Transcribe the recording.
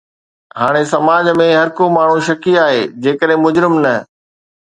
هاڻي سماج ۾ هر ماڻهو شڪي آهي جيڪڏهن مجرم نه.